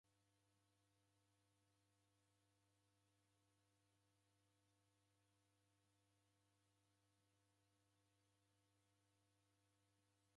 Ni suti ditesiane.